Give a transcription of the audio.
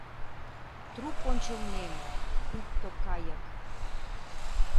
Трук ончылнем, — пуйто кайык